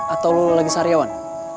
atau lu lagi sariawan